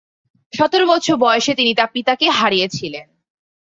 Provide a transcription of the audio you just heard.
সতের বছর বয়সে তিনি তার পিতাকে হারিয়েছিলেন।